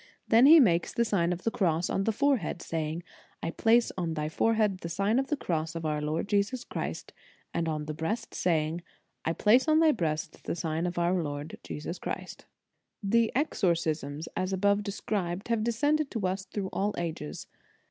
Then he makes the Sign of the Cross on the forehead, saying: I place on thy forehead the Sign of the Cross of our Lord Jesus Christ; and on the breast, In the Nineteenth Century. 217 saying: I place on thy breast the sign of our Lord Jesus Christ. "* The exorcisms, as above described, have descended to us through all ages.